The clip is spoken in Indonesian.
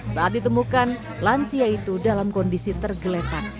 saat ditemukan lansia itu dalam kondisi tergeletak